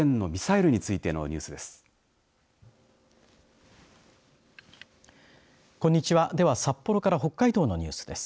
札幌からは北朝鮮のミサイルについてのニュースです。